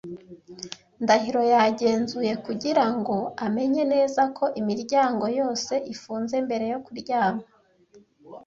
Ndahiro yagenzuye kugira ngo amenye neza ko imiryango yose ifunze mbere yo kuryama.